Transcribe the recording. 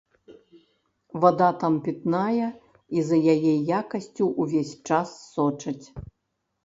Вада там пітная і за яе якасцю ўвесь час сочаць.